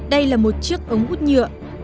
đây là một chiếc ống hút nhựa